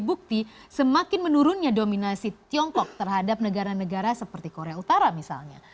bukti semakin menurunnya dominasi tiongkok terhadap negara negara seperti korea utara misalnya